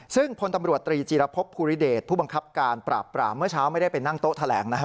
ซึ่งพลตำรวจตรีจีรพบภูริเดชผู้บังคับการปราบปราบเมื่อเช้าไม่ได้ไปนั่งโต๊ะแถลงนะครับ